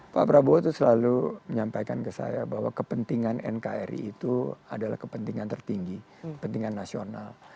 pak prabowo itu selalu menyampaikan ke saya bahwa kepentingan nkri itu adalah kepentingan tertinggi kepentingan nasional